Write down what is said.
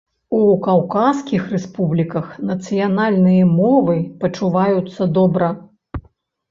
У каўказскіх рэспубліках нацыянальныя мовы пачуваюцца добра.